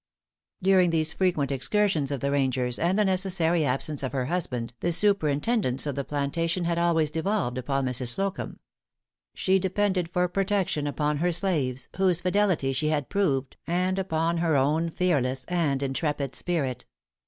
During these frequent excursions of the Rangers, and the necessary absence of her husband, the superintendence of the plantation had always devolved upon Mrs. Slocumb. She depended for protection upon her slaves, whose fidelity she had proved, and upon her own fearless and intrepid spirit.